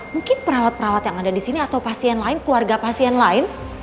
mungkin perawat perawat yang ada di sini atau pasien lain keluarga pasien lain